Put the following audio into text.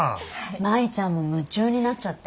舞ちゃんも夢中になっちゃって。